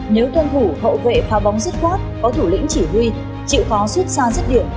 nếu tuân thủ hậu vệ pha bóng dứt khoát có thủ lĩnh chỉ huy chịu khó xuất xa dứt điểm